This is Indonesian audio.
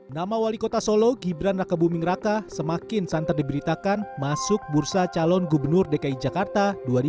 nama wali kota solo gibran raka buming raka semakin santer diberitakan masuk bursa calon gubernur dki jakarta dua ribu dua puluh